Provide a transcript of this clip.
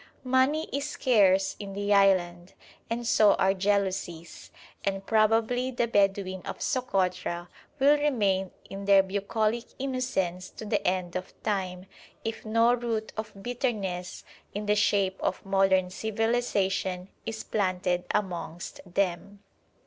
Money is scarce in the island, and so are jealousies, and probably the Bedouin of Sokotra will remain in their bucolic innocence to the end of time, if no root of bitterness in the shape of modern civilisation is planted amongst them.